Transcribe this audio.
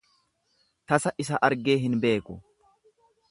Tasa isa argee hin beeku.